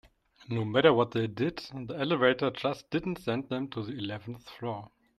No matter what they did, the elevator just didn't send them to the eleventh floor.